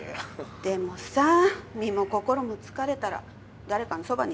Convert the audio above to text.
でもさ身も心も疲れたら誰かにそばにいてほしくない？